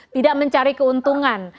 tidak mencari keuntungan